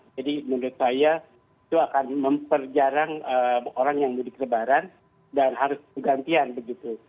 jadi menurut saya itu akan memperjarang orang yang duduk di lebaran dan harus bergantian begitu